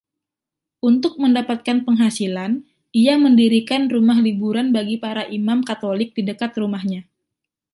Untuk mendapatkan penghasilan, ia mendirikan rumah liburan bagi para imam Katolik di dekat rumahnya.